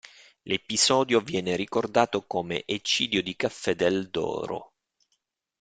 L'episodio viene ricordato come Eccidio di Caffè del Doro.